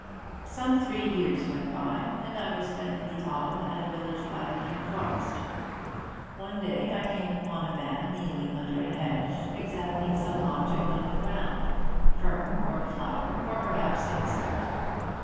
Some three years went by, and I was spending the autumn at a village by the New Forest. One day I came upon a man kneeling under a hedge, examining some object on the ground, fern or flower, or perhaps insect.